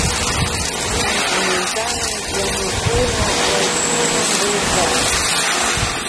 Kinku ñantami llamakuna waykunan rirka